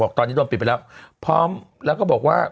ตอนนี้โดนปิดไปแล้วพร้อมแล้วก็บอกว่า